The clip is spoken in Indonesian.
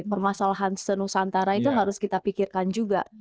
permasalahan senusantara itu harus kita pikirkan juga